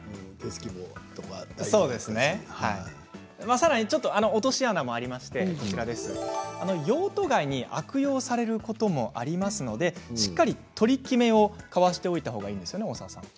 さらに落とし穴もありまして用途外に悪用されることもありますのでしっかり取り決めを、交わしておいたほうがいいんですよね。